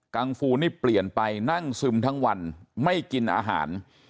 ังฟูนี่เปลี่ยนไปนั่งซึมทั้งวันไม่กินอาหาร